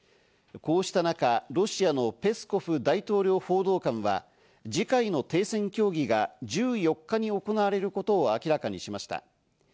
こうした中、ロシアのペスコフ大統領報道官は次回の停戦協議が１４日に行われることを明らかにしました。